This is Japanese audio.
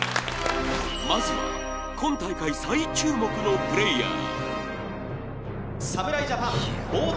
まずは、今大会再注目のプレーヤー。